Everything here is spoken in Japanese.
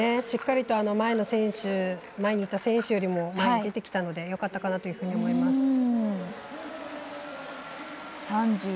しっかりと前にいた選手よりも出てきたのでよかったかなと思います。